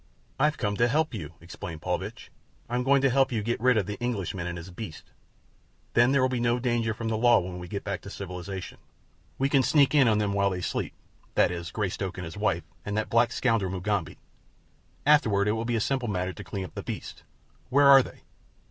"I've come to help you," explained Paulvitch. "I'm going to help you get rid of the Englishman and his beasts—then there will be no danger from the law when we get back to civilization. We can sneak in on them while they sleep—that is Greystoke, his wife, and that black scoundrel, Mugambi. Afterward it will be a simple matter to clean up the beasts. Where are they?"